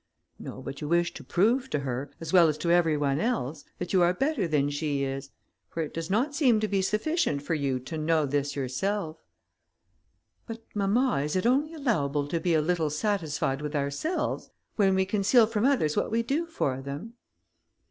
"No, but you wish to prove to her, as well as to every one else, that you are better than she is; for it does not seem to be sufficient for you to know this yourself." "But, mamma, is it only allowable to be a little satisfied with ourselves, when we conceal from others what we do for them?"